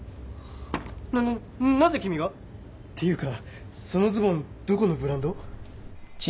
なななぜ君が？っていうかそのズボンどこのブランド？